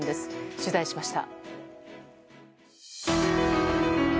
取材しました。